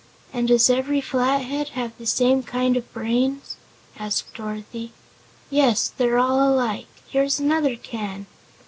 "And does every Flathead have the same kind of brains?" asked Dorothy. "Yes, they're all alike. Here's another can."